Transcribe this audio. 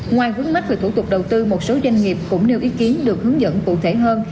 ngoài vướng mắt về thủ tục đầu tư một số doanh nghiệp cũng nêu ý kiến được hướng dẫn cụ thể hơn